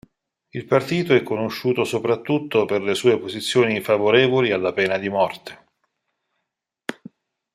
Il partito è conosciuto soprattutto per le sue posizioni favorevoli alla pena di morte.